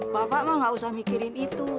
bapak mah gak usah mikirin itu